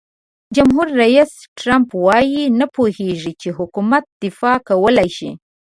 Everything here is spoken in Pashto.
جمهور رئیس ټرمپ وایي نه پوهیږي چې حکومت دفاع کولای شي.